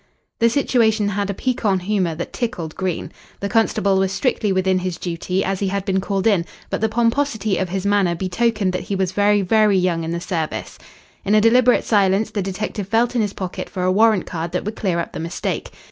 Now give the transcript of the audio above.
The situation had a piquant humour that tickled Green. The constable was strictly within his duty, as he had been called in, but the pomposity of his manner betokened that he was very, very young in the service. In a deliberate silence the detective felt in his pocket for a warrant card that would clear up the mistake.